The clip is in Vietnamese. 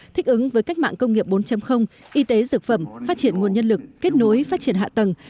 thích ứng với cách mạng công nghiệp bốn y tế dược phẩm phát triển nguồn nhân lực kết nối phát triển hạ tầng